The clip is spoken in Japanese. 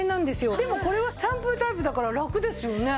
でもこれはシャンプータイプだからラクですよね。